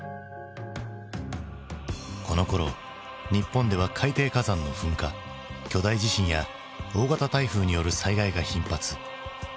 このころ日本では海底火山の噴火巨大地震や大型台風による災害が頻発。